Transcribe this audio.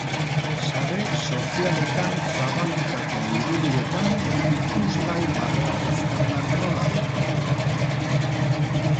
Sare sozialetan zabaldutako irudietan ikusgai dago eztanda nola gertatu den.